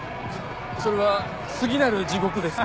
それは次なる地獄ですか？